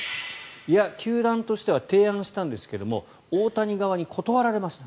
いや、球団としては提案したんですが大谷側に断られました。